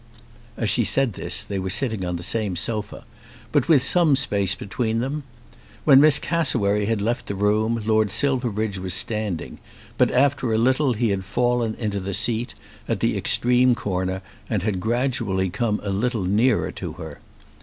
As she said this they were sitting on the same sofa, but with some space between them. When Miss Cassewary had left the room Lord Silverbridge was standing, but after a little he had fallen into the seat, at the extreme corner, and had gradually come a little nearer to her.